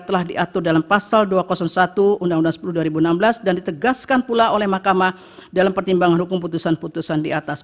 telah diatur dalam pasal dua ratus satu undang undang sepuluh dua ribu enam belas dan ditegaskan pula oleh mahkamah dalam pertimbangan hukum putusan putusan di atas